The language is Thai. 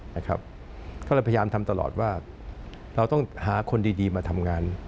ก็เลยพยายามทำตลอดว่าเราต้องหาคนดีมาทำงาน